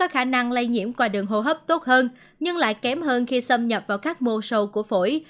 khả năng lây nhiễm qua đường hô hấp tốt hơn nhưng lại kém hơn khi xâm nhập vào các mô sâu của phổi